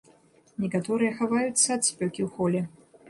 Некаторыя хаваюцца ад спёкі ў холе.